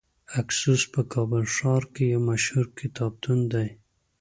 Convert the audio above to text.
اکسوس په کابل ښار کې یو مشهور کتابتون دی .